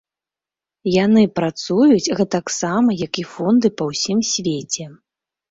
Яны працуюць гэтаксама, як і фонды па ўсім свеце.